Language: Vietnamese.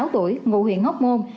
hai mươi sáu tuổi ngụ huyện hóc môn